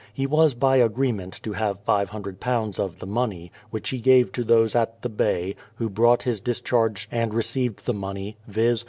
He was by agreement to have ^500 of the money, which he gave to those at the Bay, who brought his discharge and received the money, viz.